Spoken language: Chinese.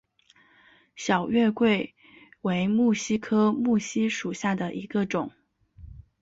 小叶月桂为木犀科木犀属下的一个种。